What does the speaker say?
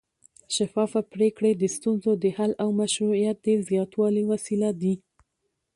شفافه پرېکړې د ستونزو د حل او مشروعیت د زیاتوالي وسیله دي